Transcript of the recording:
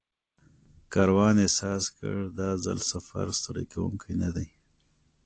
کاروان احساس کړ دا ځل سفر ستړی کوونکی نه دی.